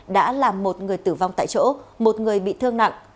đã làm một người tử vong tại chỗ một người bị thương nặng